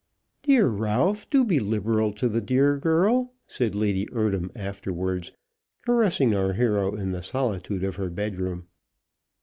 "Dear Ralph, do be liberal to the dear girl," said Lady Eardham afterwards, caressing our hero in the solitude of her bed room.